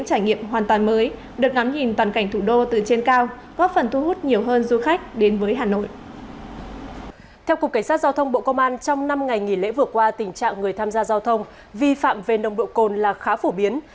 theo cục cảnh sát giao thông bộ công an trong năm ngày nghỉ lễ vừa qua tình trạng người tham gia giao thông vi phạm về nồng độ cồn là khá phổ biến